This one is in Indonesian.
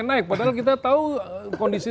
naik padahal kita tahu kondisi